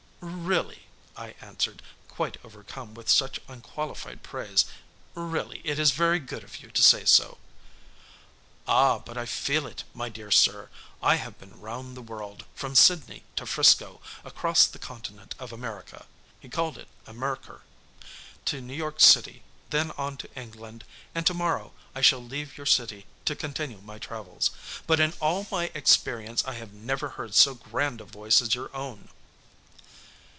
"Really," I answered, quite overcome with such unqualified praise, "really it is very good of you to say so." "Ah, but I feel it, my dear sir. I have been round the world, from Sydney to Frisco, across the continent of America" (he called it Amerrker) "to New York City, then on to England, and to morrow I shall leave your city to continue my travels. But in all my experience I have never heard so grand a voice as your own."